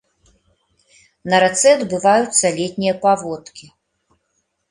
На рацэ адбываюцца летнія паводкі.